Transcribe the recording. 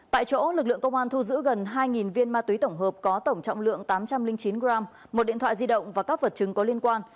tại chỗ lực lượng công an thu giữ gần hai viên ma túy tổng hợp có tổng trọng lượng tám trăm linh chín g một điện thoại di động và các vật chứng có liên quan